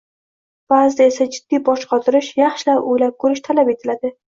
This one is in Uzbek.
Baʼzida esa jiddiy bosh qotirish, yaxshilab oʻylab koʻrish talab etiladi